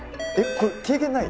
これ経験ない？